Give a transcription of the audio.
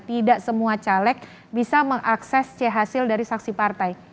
tidak semua caleg bisa mengakses hasil dari saksi partai